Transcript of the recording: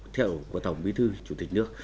theo tổng bí thư chủ tịch nước